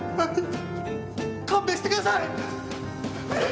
勘弁してください！